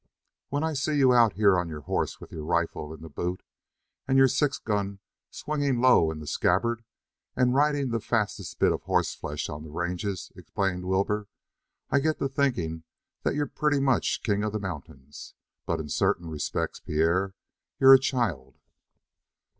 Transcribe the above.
"When I see you out here on your horse with your rifle in the boot and your six gun swinging low in the scabbard, and riding the fastest bit of horseflesh on the ranges," explained Wilbur, "I get to thinking that you're pretty much king of the mountains; but in certain respects, Pierre, you're a child."